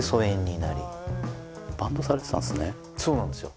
そうなんですよ。